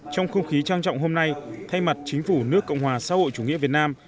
trong không khí trang trọng hôm nay thay mặt chính phủ nước cộng hòa xã hội chủ nghĩa việt nam